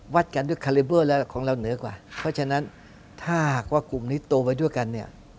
กันด้วยคาเลเบอร์แล้วของเราเหนือกว่าเพราะฉะนั้นถ้าหากว่ากลุ่มนี้โตไว้ด้วยกันเนี่ย